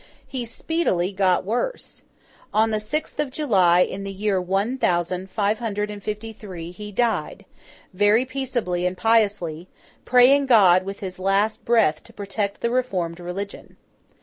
He speedily got worse. On the sixth of July, in the year one thousand five hundred and fifty three, he died, very peaceably and piously, praying God, with his last breath, to protect the reformed religion.